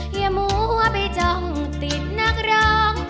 อย่ามัวไปจ้องติดนักร้อง